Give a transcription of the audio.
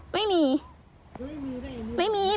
ไม่มีได้หมดได้หมด